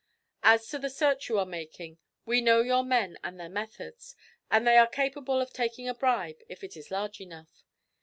As to the search you are making, we know your men and their methods, and they are capable of taking a bribe if it is large enough.